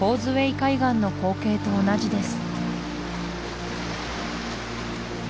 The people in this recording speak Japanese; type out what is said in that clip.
海岸の光景と同じです